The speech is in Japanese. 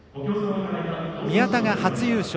宮田が初優勝。